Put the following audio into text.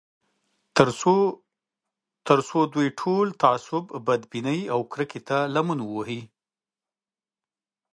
تر څو دوی ټول تعصب، بدبینۍ او کرکې ته لمن ووهي